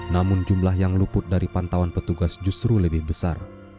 namun jumlah yang luput dari pantauan petugas justru lebih besar